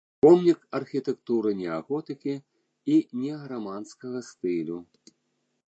Помнік архітэктуры неаготыкі і неараманскага стылю.